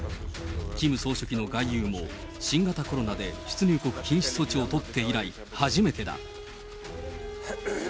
キム総書記の外遊も、新型コロナで出入国禁止措置を取って以来初めてだ。